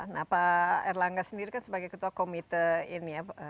nah pak erlangga sendiri kan sebagai ketua komite ini ya